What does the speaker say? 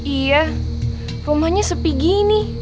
iya rumahnya sepi gini